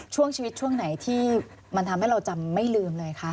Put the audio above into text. ช่วงชีวิตช่วงไหนที่มันทำให้เราจำไม่ลืมเลยคะ